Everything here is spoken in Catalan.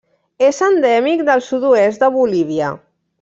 És endèmic del sud-oest de Bolívia.